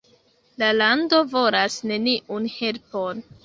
La lando volas neniun helpon.